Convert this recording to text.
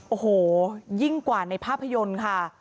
โอ้โหยิ่งกว่าในภาพยนตร์ค่ะ